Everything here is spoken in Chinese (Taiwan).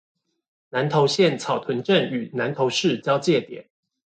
南投縣草屯鎮與南投市交界點